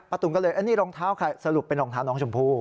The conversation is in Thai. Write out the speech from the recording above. ป้าตุ๋นก็เลยนี่รองเท้าค่ะสรุปเป็นรองเท้าน้องชมพู่